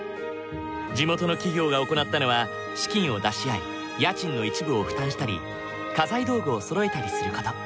地元の企業が行ったのは資金を出し合い家賃の一部を負担したり家財道具をそろえたりする事。